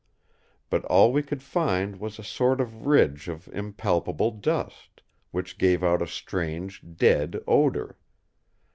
But all we could find was a sort of ridge of impalpable dust, which gave out a strange dead odour.